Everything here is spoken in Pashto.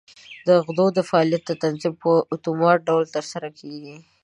د غدو د فعالیت تنظیم په اتومات ډول تر سره کېږي.